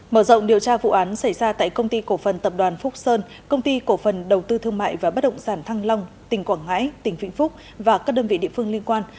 mở rộng điều tra vụ án xảy ra tại công ty cổ phần tập đoàn phúc sơn công ty cổ phần đầu tư thương mại và bất động sản thăng long tỉnh quảng ngãi tỉnh vĩnh phúc và các đơn vị địa phương liên quan